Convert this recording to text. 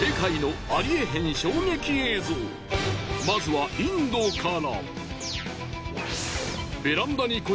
まずはインドから。